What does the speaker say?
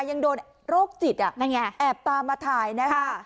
ยังโดนโรคจิตอ่ะนั่นไงแอบตามมาถ่ายนะคะค่ะ